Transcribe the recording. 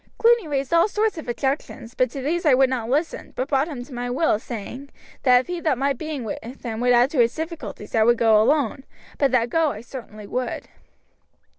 Cluny raised all sorts of objections, but to these I would not listen, but brought him to my will by saying, that if he thought my being with him would add to his difficulties I would go alone, but that go I certainly would.